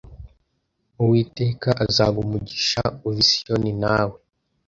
Uwiteka azaguha umugisha uva i Siyoni Nawe